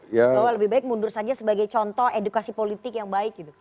bahwa lebih baik mundur saja sebagai contoh edukasi politik yang baik gitu